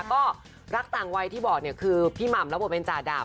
ก็รักต่างวัยที่บอกเนี่ยคือพี่หม่ำรับบทเป็นจ่าดาบ